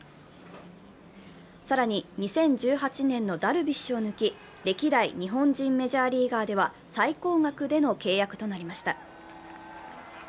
更に２０１８年のダルビッシュを抜き歴代日本人メジャーリーガーでは最高額での契約となりました。